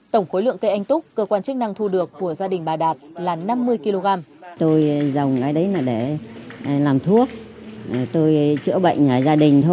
tổng khối lượng cây anh túc cơ quan chức năng thu được của gia đình bà đạt là năm mươi kg